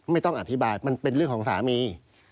ไม่ต้องอธิบายมันเป็นเรื่องของสามี